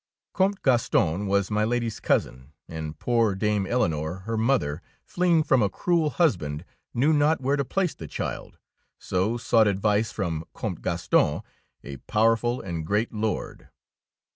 Comte Gaston was my Lady's cousin, and poor Dame Eleonore, her mother, fleeing from a cruel husband, knew not where to place the child, so sought ad vice from Comte Gaston, a powerful and great lord.